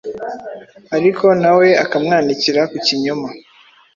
ariko na we akamwanikira ku kinyoma,